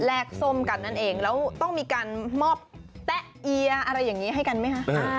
กส้มกันนั่นเองแล้วต้องมีการมอบแตะเอียอะไรอย่างนี้ให้กันไหมคะ